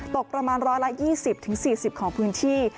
ตกประมาณ๑๒๐๔๐ของพื้นที่